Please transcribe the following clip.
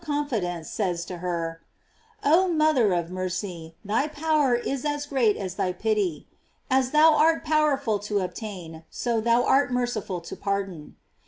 confidence says to her: Oh mother of mercy, thy power is as great as thy pity. As thou art powerful to obtain, so thou art merciful to pardon.